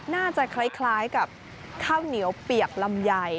น่าจะคล้ายกับข้าวเหนียวเปียกลำไย